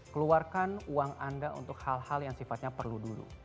keluarkan uang anda untuk hal hal yang sifatnya perlu dulu